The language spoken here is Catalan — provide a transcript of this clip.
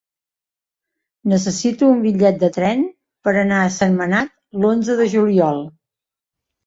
Necessito un bitllet de tren per anar a Sentmenat l'onze de juliol.